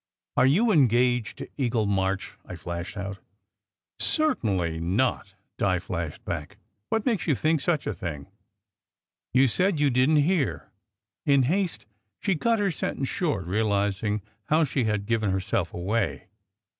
"Are you engaged to Eagle March? " I flashed out. "Certainly not," Di flashed back. "What makes you think such a thing? You said you didn t hear " In haste she cut her sentence short, realizing how she had given herself away.